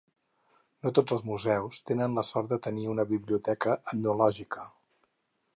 No tots els museus tenen la sort de tenir una biblioteca etnològica.